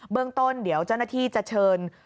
เรื่องต้นเดี๋ยวเจ้าหน้าที่จะเชิญ